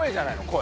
声。